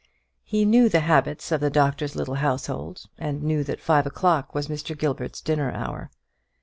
He knew the habits of the doctor's little household, and knew that five o'clock was Mr. Gilbert's dinner hour.